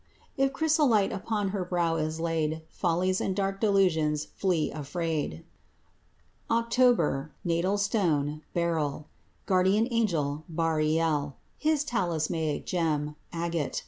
If chrysolite upon her brow is laid, Follies and dark delusions flee afraid. OCTOBER Natal stone Beryl. Guardian angel Bariel. His talismanic gem Agate.